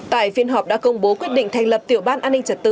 tại phiên họp đã công bố quyết định thành lập tiểu ban an ninh trật tự